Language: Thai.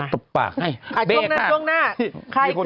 ตรบปากให้